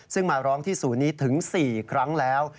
ซึ่งมาร้องที่ศูนย์นี้ถึง๔ครั้งแล้ว